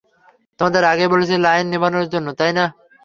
তোমাদের আগেই বলেছি লাইট নিভানোর জন্য, তাই না?